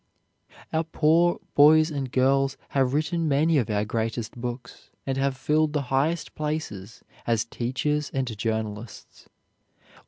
Our poor boys and girls have written many of our greatest books, and have filled the highest places as teachers and journalists.